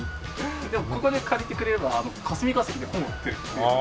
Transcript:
でもここで借りてくれれば霞ケ関で本売ってるって言えるので。